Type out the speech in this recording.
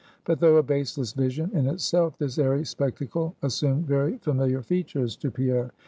But though a baseless vision in itself, this airy spectacle assumed very familiar features to Pierre.